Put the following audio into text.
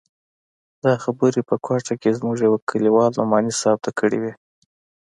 دا خبرې په کوټه کښې زموږ يوه کليوال نعماني صاحب ته کړې وې.